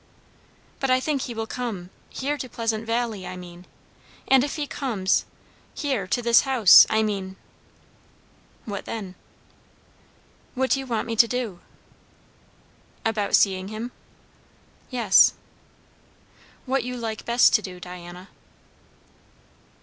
"But I think he will come here to Pleasant Valley, I mean. And if he comes here, to this house, I mean" "What then?" "What do you want me to do?" "About seeing him?" "Yes." "What you like best to do, Diana."